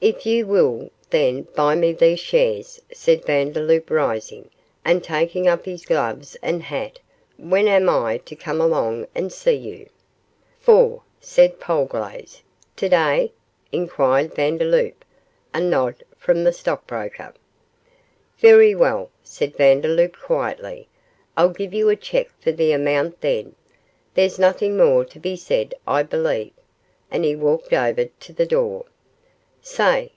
'If you will, then, buy me these shares,' said Vandeloup, rising, and taking up his gloves and hat, 'when am I to come along and see you?' 'Four,' said Polglaze. Today?' inquired Vandeloup. A nod from the stockbroker. 'Very well,' said Vandeloup, quietly, 'I'll give you a cheque for the amount, then. There's nothing more to be said, I believe?' and he walked over to the door. 'Say!